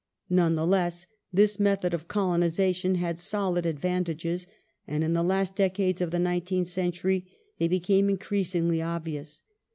None the less, this method of colonization had solid advantages, and in the last decades of the nineteenth century they became increasingly obvious.